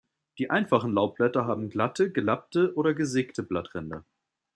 Die einfachen Laubblätter haben glatte, gelappte oder gesägte Blattränder.